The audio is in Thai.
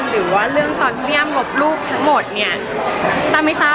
หรือเราไม่รู้เลยด้วยซ้ำ